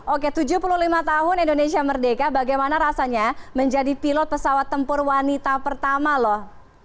oke tujuh puluh lima tahun indonesia merdeka bagaimana rasanya menjadi pilot pesawat tempur wanita pertama loh